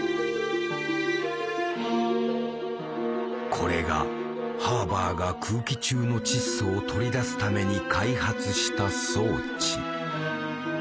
これがハーバーが空気中の窒素を取り出すために開発した装置。